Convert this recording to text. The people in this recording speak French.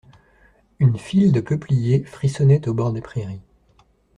Une file de peupliers frissonnait au bord des prairies.